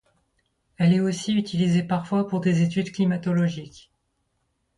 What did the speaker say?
Elle est aussi utilisée parfois pour des études climatologiques.